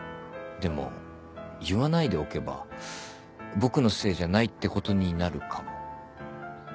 でも言わないでおけば僕のせいじゃないってことになるかも。